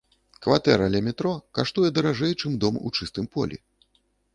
Кватэра ля метро каштуе даражэй, чым дом у чыстым полі.